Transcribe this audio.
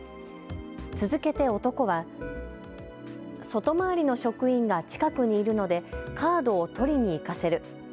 続けて男は外回りの職員が近くにいるのでカードを取りに行かせる。